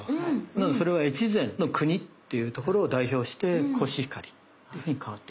なのでそれは越前の国っていうところを代表してコシヒカリっていうふうに変わっています。